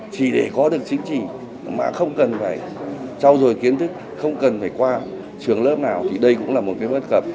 chỉ để có được chứng chỉ mà không cần phải trao dồi kiến thức không cần phải qua trường lớp nào thì đây cũng là một cái bất cập